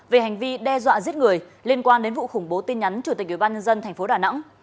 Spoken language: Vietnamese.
về hành vi đe dọa giết người liên quan đến vụ khủng bố tin nhắn chủ tịch ủy ban nhân dân tp đà nẵng